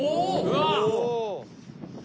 うわ！